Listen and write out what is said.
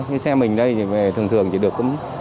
như xe mình đây thì thường thường chỉ được